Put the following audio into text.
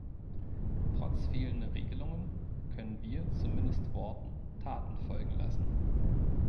Trotz fehlender Regelungen können wir zumindest Worten Taten folgen lassen.